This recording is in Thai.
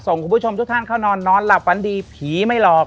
คุณผู้ชมทุกท่านเข้านอนนอนหลับฝันดีผีไม่หลอก